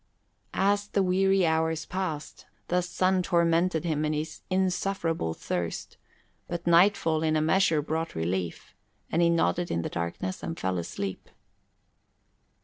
As the weary hours passed, the sun tormented him in his insufferable thirst; but nightfall in a measure brought relief and he nodded in the darkness and fell asleep.